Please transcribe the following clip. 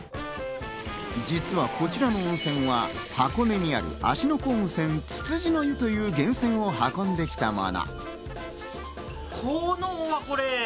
実はこちらの温泉は、箱根にある「芦ノ湖温泉つつじの湯」という源泉を運んできたもの。